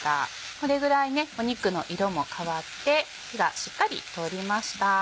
これぐらい肉の色も変わって火がしっかり通りました。